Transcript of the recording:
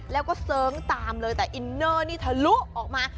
แล้วก็เสิร์งตามเลยแต่อินเนอร์นี่ทะลุออกมา